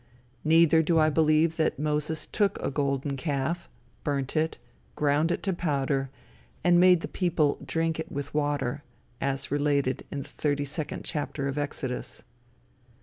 Neither do I believe that Moses took a golden calf, burnt it, ground it to powder, and made the people drink it with water, as related in the thirty second chapter of Exodus.